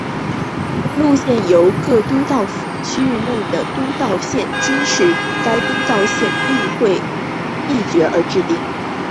路线由各都道府县区域内的都道府县知事与该都道府县议会议决而制定。